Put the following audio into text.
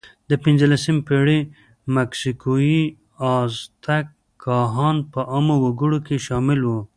د پینځلسمې پېړۍ مکسیکويي آزتک کاهنان په عامو وګړو کې شامل وو.